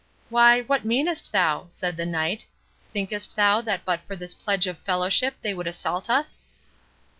"Why, what meanest thou?" said the Knight; "thinkest thou that but for this pledge of fellowship they would assault us?"